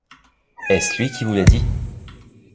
Est-ce lui qui vous l'a dit ?